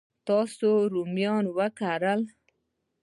تاسو رومیان وکرل؟